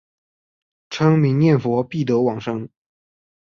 称名念佛必得往生。